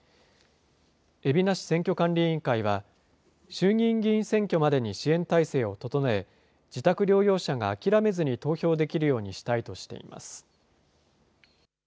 海老名市選挙管理委員会は、衆議院議員選挙までに支援体制を整え、自宅療養者が諦めずに投票できるようにしたいとしています。